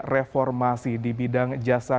reformasi di bidang jasa